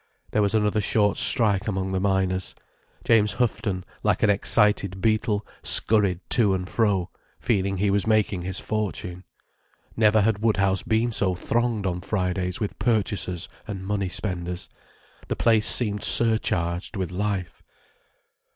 There was another short strike among the miners. James Houghton, like an excited beetle, scurried to and fro, feeling he was making his fortune. Never had Woodhouse been so thronged on Fridays with purchasers and money spenders. The place seemed surcharged with life.